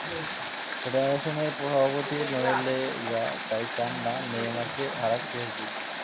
ফেডারেশনের সভাপতি নোয়েল লে গ্রা তাই চান না নেইমারকে হারাক পিএসজি।